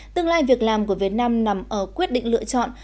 tương lai việc làm của việt nam nằm ở quyết định lựa chọn